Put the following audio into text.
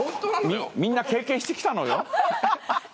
みんな経験してきたのよ。